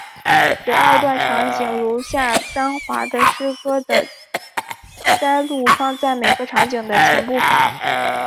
十二段场景如下张华的诗歌的摘录放在每个场景的前部分。